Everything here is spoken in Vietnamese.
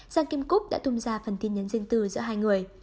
giang kim cúc đã tung ra phần tin nhắn riêng tư giữa hai người